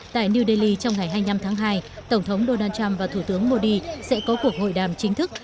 tại new delhi trong ngày hai mươi năm tháng hai tổng thống donald trump và thủ tướng modi sẽ có cuộc hội đàm chính thức